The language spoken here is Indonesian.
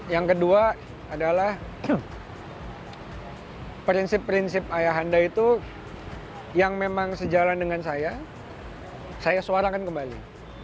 yang kedua adalah prinsip prinsip ayah anda itu yang memang sejalan dengan saya saya suarakan kembali